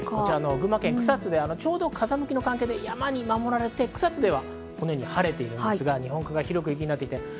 群馬県草津で風向きの関係で山に守られて草津では晴れているんですが、日本海側は広く雪になっています。